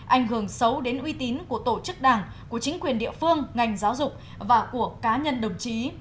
ảnh hưởng xấu đến uy tín của tổ chức đảng của chính quyền địa phương ngành giáo dục và của cá nhân đồng chí